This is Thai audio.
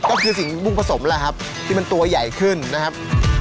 ก็คือสิ่งมุ่งผสมแล้วครับที่มันตัวใหญ่ขึ้นนะครับ